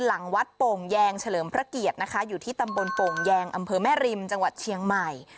หลังวัดโป่งแยงเฉลิมพระเกียรตินะคะอยู่ที่ตำบลโป่งแยงอำเภอแม่ริมจังหวัดเชียงใหม่